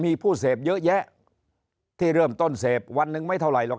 มีผู้เสพเยอะแยะที่เริ่มต้นเสพวันหนึ่งไม่เท่าไหรหรอก